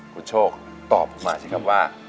คุณโชคตอบออกมาสิครับว่า